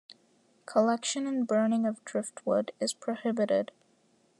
Collection and burning of driftwood is prohibited.